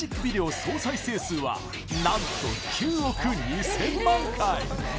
総再生数はなんと、９億２０００万回！